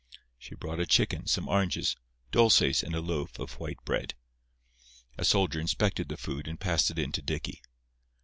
She brought a chicken, some oranges, dulces and a loaf of white bread. A soldier inspected the food, and passed it in to Dicky.